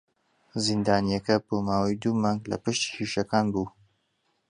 زیندانییەکە بۆ ماوەی دوو مانگ لە پشت شیشەکان بوو.